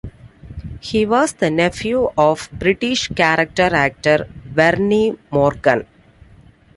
He was the nephew of British character actor Verne Morgan.